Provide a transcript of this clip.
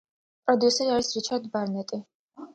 პროდიუსერი არის რიჩარდ ბარნეტი.